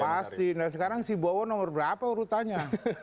pasti nah sekarang si bowo nomor berapa urutannya